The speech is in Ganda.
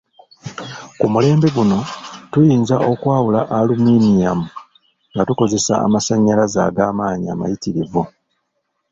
Ku mulembe guno, tuyinza okwawula aluminiyamu nga tukozesea amasanyalaze ag'amaanyi amayitirivu